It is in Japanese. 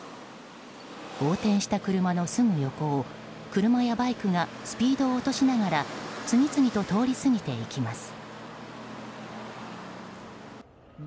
横転した車のすぐ横を車やバイクがスピードを落としながら次々と通り過ぎていきます。